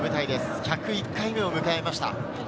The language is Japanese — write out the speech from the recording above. １０１回目を迎えました。